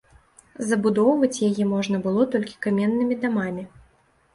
Забудоўваць яе можна было толькі каменнымі дамамі.